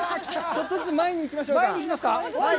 ちょっとずつ前に行きましょうか。